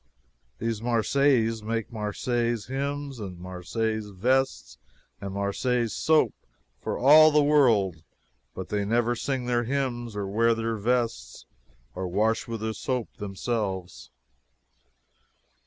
These Marseillaises make Marseillaise hymns and Marseilles vests and Marseilles soap for all the world, but they never sing their hymns or wear their vests or wash with their soap themselves.